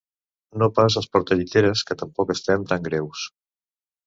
No pas als portalliteres, que tampoc estem tan greus!